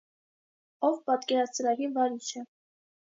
Ով պատկերասրահի վարիչ է։